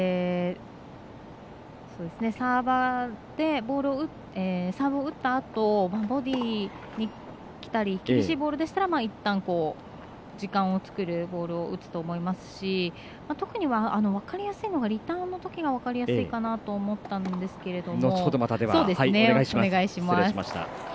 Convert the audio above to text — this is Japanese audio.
今はサーバーですのでサーバーで、サーブを打ったあとボディーにきたり厳しいボールでしたらいったん時間を作るボールを打つと思いますし特に分かりやすいのがリターンのときが分かりやすいかと思いますけども。